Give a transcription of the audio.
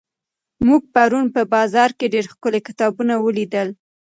موږ پرون په بازار کې ډېر ښکلي کتابونه ولیدل.